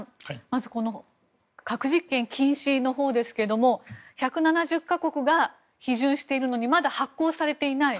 まず核実験禁止のほうですが１７０か国が批准しているのにまだ発効されていない。